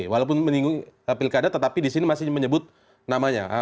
walaupun menyinggung pilkada tetapi di sini masih menyebut namanya